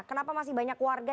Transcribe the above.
kenapa masih banyak warga